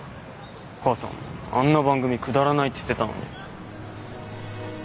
母さんあんな番組くだらないって言ってたのに。